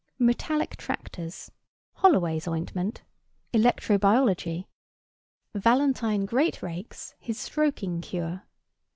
Metallic tractors. Holloway's Ointment. Electro biology. Valentine Greatrakes his Stroking Cure.